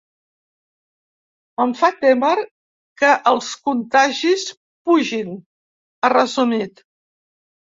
“Em fa témer que els contagis pugin”, ha resumit.